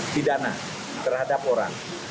tidana terhadap orang